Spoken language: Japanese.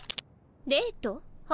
デート？は？